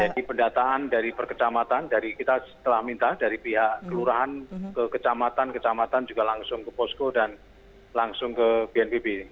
jadi pendataan dari perkecamatan dari kita telah minta dari pihak kelurahan ke kecamatan kecamatan juga langsung ke posko dan langsung ke bnpb